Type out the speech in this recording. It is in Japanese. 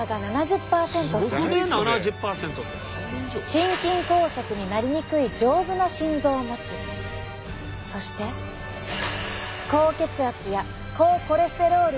心筋梗塞になりにくい丈夫な心臓を持ちそして高血圧や高コレステロールに悩む人もほとんどいない。